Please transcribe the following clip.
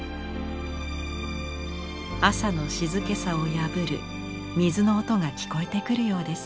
朝の静けさを破る水の音が聞こえてくるようです。